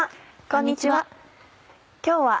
こんにちは。